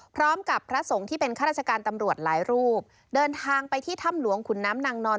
พระสงฆ์ที่เป็นข้าราชการตำรวจหลายรูปเดินทางไปที่ถ้ำหลวงขุนน้ำนางนอน